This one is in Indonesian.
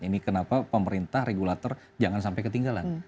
ini kenapa pemerintah regulator jangan sampai ketinggalan